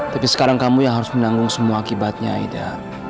tapi sekarang kamu yang harus menanggung semua akibatnya ida